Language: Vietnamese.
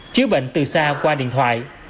chứa bệnh từ xa qua điện thoại